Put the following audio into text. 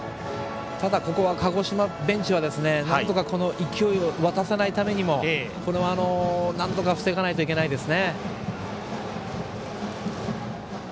ただここは鹿児島ベンチは勢いを渡さないためにもなんとか防がないといけないです。